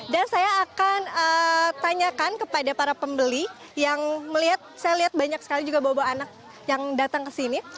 dan saya akan tanyakan kepada para pembeli yang melihat saya lihat banyak sekali juga bawa bawa anak yang datang ke sini